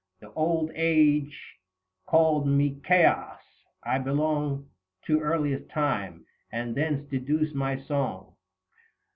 110 The Old age called me Chaos : I belong To earliest time, and thence deduce my song.